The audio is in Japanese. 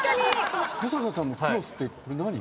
登坂さんの「クロス」って何？